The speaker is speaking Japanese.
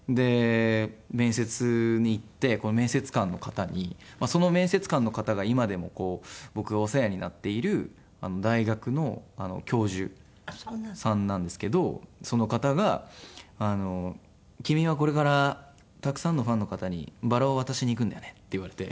面接に行って面接官の方にその面接官の方が今でも僕がお世話になっている大学の教授さんなんですけどその方が「君はこれからたくさんのファンの方にバラを渡しに行くんだよね」って言われて。